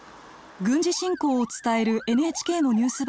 軍事侵攻を伝えるＮＨＫのニュース